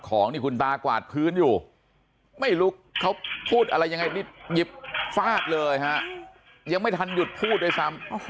คุณตากวาดพื้นอยู่ไม่รู้แดดยิบฟาดเลยยังไม่ทันหยุดพูดโดยซ้ำ